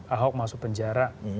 ahok masuk penjara